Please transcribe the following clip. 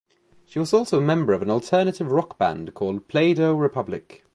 She was also a member of an alternative rock band called Playdoh Republic.